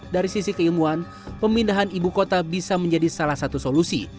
dari sisi keilmuan pemindahan ibu kota bisa menjadi salah satu solusi